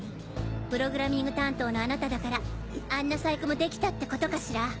プログラミング担当のあなただからあんな細工もできたってことかしら？